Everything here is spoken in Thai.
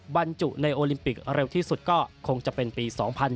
บรรจุในโอลิมปิกเร็วที่สุดก็คงจะเป็นปี๒๐๑๖